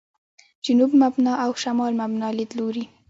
«جنوب مبنا» او «شمال مبنا» لیدلوري.